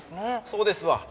そうですわ。